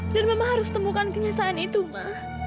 dan mama harus temukan kenyataan itu ma